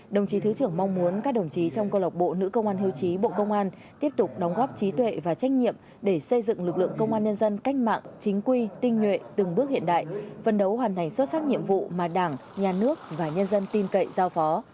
đồng chí thứ trưởng mong muốn các đồng chí trong câu lọc bộ nữ công an hiêu chí bộ công an tiếp tục đóng góp trí tuệ và trách nhiệm để xây dựng lực lượng công an nhân dân cách mạng chính quy tinh nhuệ từng bước hiện đại phân đấu hoàn thành xuất sắc nhiệm vụ mà đảng nhà nước và nhân dân tin cậy giao phó